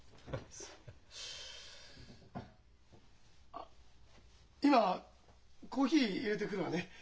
あっ今コーヒーいれてくるわね。